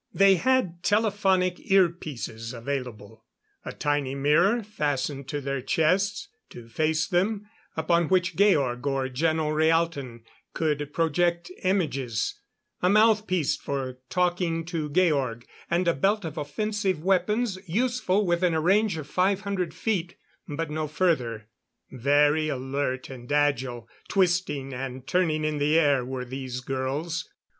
They had telephonic ear pieces available; a tiny mirror fastened to their chests to face them, upon which Georg or Geno Rhaalton could project images; a mouthpiece for talking to Georg; and a belt of offensive weapons, useful within a range of five hundred feet but no further. Very alert and agile, twisting and turning in the air were these girls.